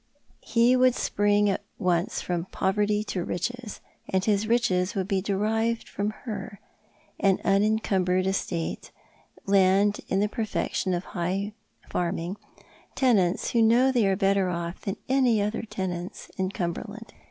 He would spring at once from poverty to riches, and his riches would be derived from her— an unencumbered estate, land in the perfection of high farming, tenants who know they are better off than any other tenants in Cumberland.